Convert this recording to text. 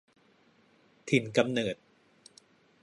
ถิ่นกำเนิด